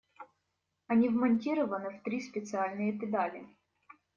Они вмонтированы в три специальные педали.